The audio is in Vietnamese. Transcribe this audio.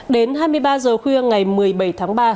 đến hai mươi ba h khuya ngày một mươi bảy tháng ba